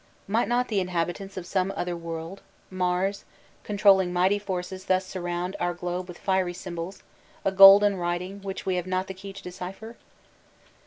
Might not the inhabitants of some other world (Mars) controlling mighty forces thus surround our globe with fiery symbols, a golden writing which we have not the key to decipher?